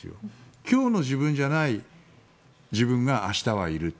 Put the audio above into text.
今日の自分じゃない自分が明日はいるって。